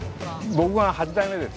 僕が８代目です。